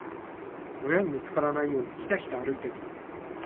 親に見つからないよう、ひたひた歩いてた。